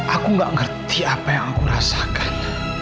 aku gak ngerti apa yang aku rasakan